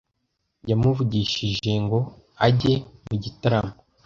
Yamuvugishije ngo ajye mu gitaramo.